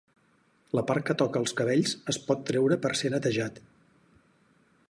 La part que toca als cabells es pot treure per ser netejat.